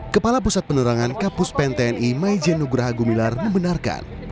kepala pusat penerangan kapus pen tni maijen nugraha gumilar membenarkan